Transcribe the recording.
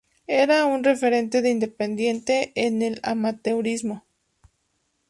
Era un referente del Independiente en el amateurismo.